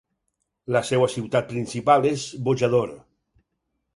La seva ciutat principal és Bojador.